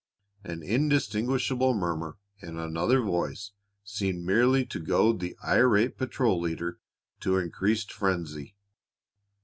An indistinguishable murmur in another voice seemed merely to goad the irate patrol leader to increased frenzy.